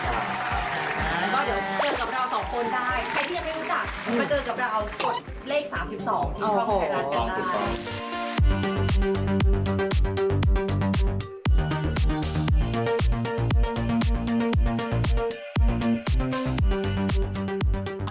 แล้วก็เดี๋ยวเจอกับเราสองคนได้ใครที่ยังไม่รู้จักมาเจอกับเรากดเลข๓๒เอาเข้าของไทยรัฐกันได้